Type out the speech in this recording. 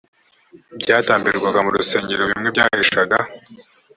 byatambirwaga mu rusengero bimwe byaheshaga